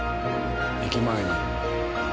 駅前に。